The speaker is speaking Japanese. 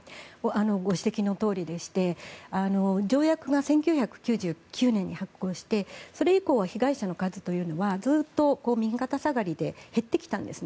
ご指摘のとおりでして条約が１９９９年に発効してそれ以降は被害者の数というのはずっと右肩下がりで減ってきたんですね。